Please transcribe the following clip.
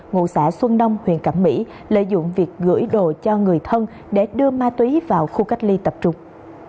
ngụ xã xuân đông huyện cẩm mỹ lợi dụng việc gửi đồ cho người thân để đưa ma túy vào khu cách ly tập trung